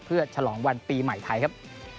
เพื่อฉลองวันปีใหม่ไทยครับ